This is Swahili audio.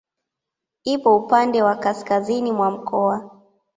Ipo upande wa kaskazini mwa mkoa.